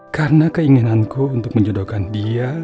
karena keinginanku untuk menjodohkan dia